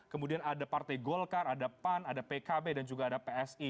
kemudian ada partai golkar ada pan ada pkb dan juga ada psi